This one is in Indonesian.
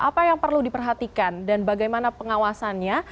apa yang perlu diperhatikan dan bagaimana pengawasannya